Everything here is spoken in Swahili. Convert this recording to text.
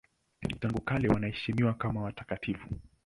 Tangu kale wanaheshimiwa kama watakatifu.